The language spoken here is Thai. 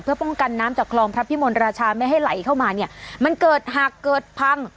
เพื่อป้องกันน้ำจากคลองพระพิมลราชาไม่ให้ไหลเข้ามาเนี่ยมันเกิดหักเกิดพัง